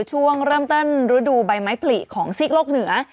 ช่วงเริ่มต้นฤดูใบไม้ผลิของซีกโลกเหนือ